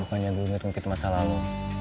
bukannya gue inget mungkin masalah lo